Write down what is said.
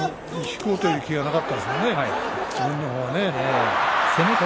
引こうという気はなかったね。